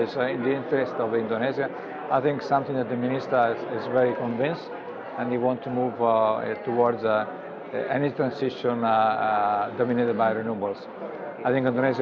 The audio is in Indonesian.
saya pikir indonesia juga memiliki potensi ketiga untuk geotermal di dunia